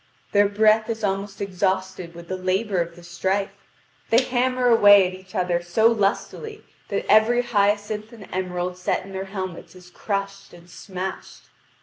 Their breath is almost exhausted with the labour of the strife; they hammer away at each other so lustily that every hyacinth and emerald set in their helmets is crushed and smashed.